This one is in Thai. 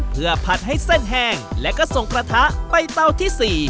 เพื่อผัดให้เส้นแห้งและก็ส่งกระทะไปเตาที่๔